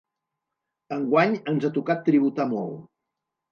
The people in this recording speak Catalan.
Enguany ens ha tocat tributar molt.